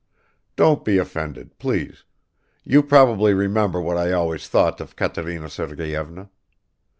Don't be offended, please; you probably remember what I always thought of Katerina Sergeyevna.